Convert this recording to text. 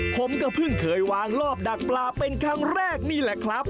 ผมก็เพิ่งเคยวางรอบดักปลาเป็นครั้งแรกนี่แหละครับ